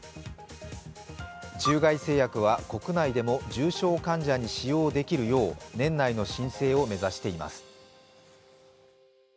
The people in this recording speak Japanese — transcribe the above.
中外製薬は国内でも重症患者に使用できるよう年内の申請を目指しています。